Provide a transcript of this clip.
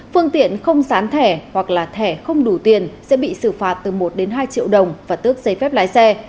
phương tiện không sán thẻ hoặc là thẻ không đủ tiền sẽ bị xử phạt từ một đến hai triệu đồng và tước giấy phép lái xe